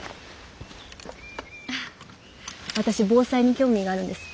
私防災に興味があるんです。